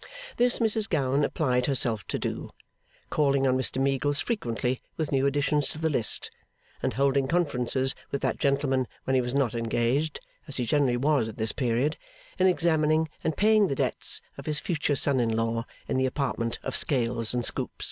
This Mrs Gowan applied herself to do; calling on Mr Meagles frequently with new additions to the list, and holding conferences with that gentleman when he was not engaged (as he generally was at this period) in examining and paying the debts of his future son in law, in the apartment of scales and scoop.